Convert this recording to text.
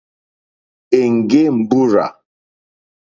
Èŋɡé mbúrzà.